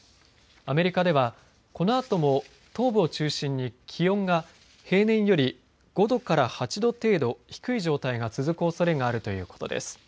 アメリカではこのあとも東部を中心に気温が平年より５度から８度程度低い状態が続くおそれがあるということです。